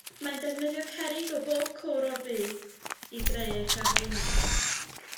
Mae'n defnyddio cerrig o bob cwr o'r byd i greu ei cherfluniau.